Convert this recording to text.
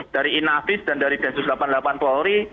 dari inavis dan dari densus delapan puluh delapan polri